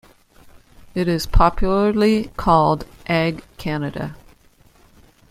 It is popularly called Ag-Canada.